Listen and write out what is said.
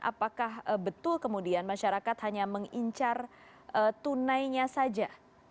apakah betul kemudian masyarakat hanya mengincar tunainya saja